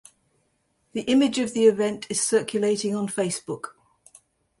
The image of the event is circulating on Facebook.